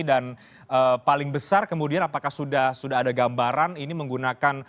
dan paling besar kemudian apakah sudah ada gambaran ini menggunakan